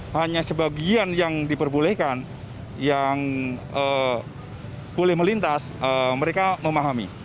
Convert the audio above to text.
hanya sebagian yang diperbolehkan yang boleh melintas mereka memahami